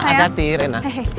ada hati rena